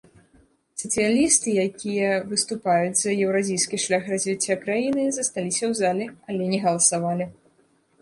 Сацыялісты, якія выступаюць за еўразійскі шлях развіцця краіны, засталіся ў зале, але не галасавалі.